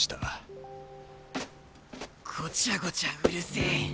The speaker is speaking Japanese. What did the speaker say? ごちゃごちゃうるせえ。